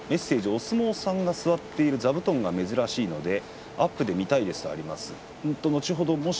お相撲さんが座っている座布団が珍しいのでアップで見たいです後ほど